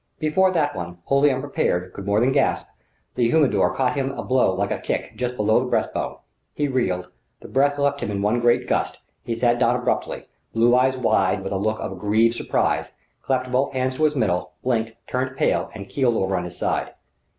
Before that one, wholly unprepared, could more than gasp, the humidor caught him a blow like a kick just below the breastbone. He reeled, the breath left him in one great gust, he sat down abruptly blue eyes wide with a look of aggrieved surprise clapped both hands to his middle, blinked, turned pale, and keeled over on his side.